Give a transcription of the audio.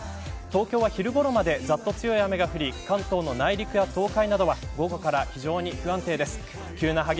東京は昼ごろまでざっと強い雨が降り関東の内陸や東海などは午後から非常に不安定です。